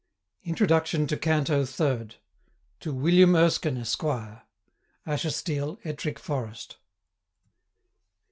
INTRODUCTION TO CANTO THIRD. TO WILLIAM ERSKINE, ESQ. Ashestiel, Ettrick Forest.